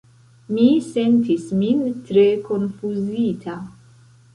Mi sentis min tre konfuzita.